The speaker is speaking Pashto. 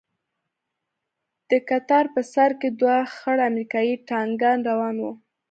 د کتار په سر کښې دوه خړ امريکايي ټانگان روان وو.